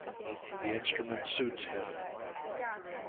The instrument suits him.